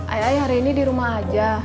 ayah ayah hari ini di rumah aja